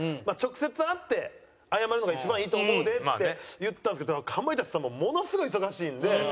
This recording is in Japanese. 「まあ直接会って謝るのが一番いいと思うで」って言ったんですけどかまいたちさんもものすごい忙しいんで。